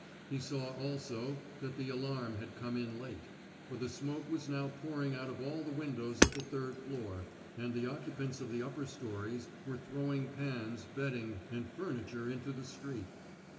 He saw also that the alarm had come in late, for the smoke was now pouring out of all the windows of the third floor, and the occupants of the upper stories were throwing pans, bedding, and furniture into the street.